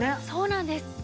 そうなんです。